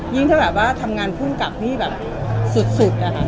ยิ่งถ้าแบบว่าทำงานผู้กำกัดที่แบบสุดค่ะ